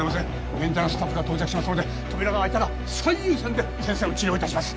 メンテナンススタッフが到着しますので扉が開いたら最優先で先生の治療をいたします